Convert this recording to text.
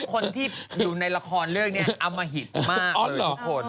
คนที่อยู่ในละครเรื่องนี้อมหิตมากหลายคน